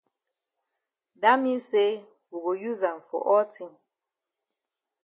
Dat mean say we go use am for all tin.